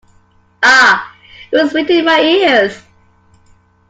Ah, it was sweet in my ears.